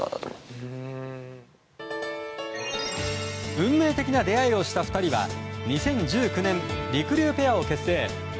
運命的な出会いをした２人は２０１９年りくりゅうペアを結成。